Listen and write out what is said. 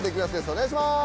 お願いします！